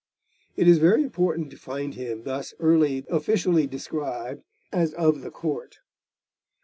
It is very important to find him thus early officially described as of the Court.